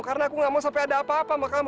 karena aku nggak mau sampai ada apa apa sama kamu